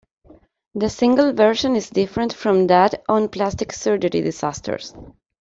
The single version is different from that on Plastic Surgery Disasters.